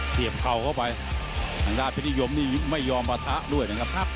เสียบข่าวเข้าไปทางด้านพิธียมนี่ไม่ยอมประทะด้วยนะครับ